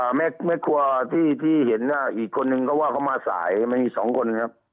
แม่แม่ครัวที่ที่เห็นว่าอีกคนนึงก็ว่าเขามาสายไม่มีสองคนครับ